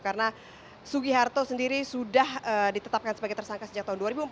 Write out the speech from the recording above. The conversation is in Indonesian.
karena sugi harto sendiri sudah ditetapkan sebagai tersangka sejak tahun dua ribu empat belas